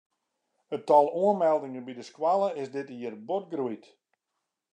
It tal oanmeldingen by de skoalle is dit jier bot groeid.